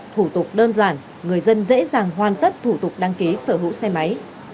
thủ tục đơn giản người dân dễ dàng hoàn tất thủ tục đăng ký sở hữu xe máy